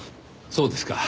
そうですか。